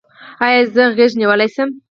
ایا زه غیږه نیولی شم؟